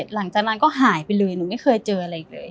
หลังจากนั้นก็หายไปเลยหนูไม่เคยเจออะไรอีกเลย